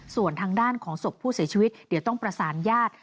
ส่วนทางด้านของศพผู้เสียชีวิตเดี๋ยวต้องประสานญาติ